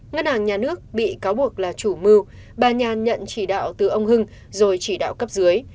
ngân hàng nhà nước bị cáo buộc là chủ mưu bà nhàn nhận chỉ đạo từ ông hưng rồi chỉ đạo cấp dưới